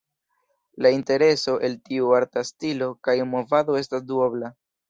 La intereso el tiu arta stilo kaj movado estas duobla.